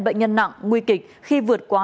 bệnh nhân nặng nguy kịch khi vượt quá